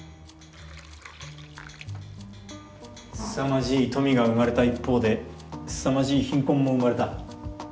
凄まじい富が生まれた一方で凄まじい貧困も生まれた。